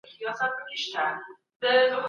د ولایتونو بودیجه څنګه ویشل کیږي؟